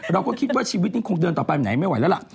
เราก็คิดว่าชีวิตยังคงเดินต่อไปไหนไม่ไหวแล้วล่ะ